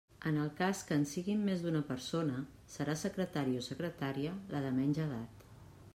En el cas que en siguin més d'una persona, serà secretari o secretària la de menys edat.